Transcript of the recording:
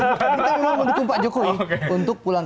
kita memang mendukung pak jokowi untuk pulang